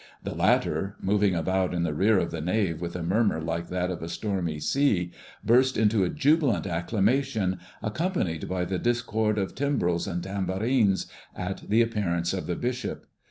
The latter, moving about in the rear of the nave with a murmur like that of a stormy sea, burst into a jubilant acclamation, accompanied by the discord of timbrels and tambourines, at the appearance of the bishop.